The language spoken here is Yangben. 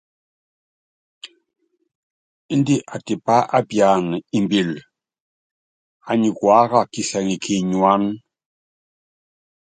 Índɛ atipá apiana imbíli, anyi kuáka kisɛŋɛ kínyuána.